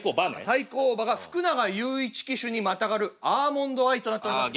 対抗馬が福永祐一騎手にまたがるアーモンドアイとなっております。